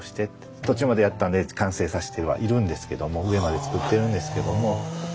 途中までやったんで完成させてはしているんですけども上まで作ってるんですけども。